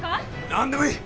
何でもいい！